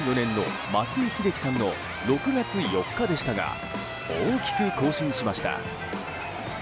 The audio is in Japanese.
２００４年の松井秀喜さんの６月４日でしたが大きく更新しました。